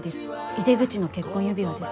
井出口の結婚指輪です。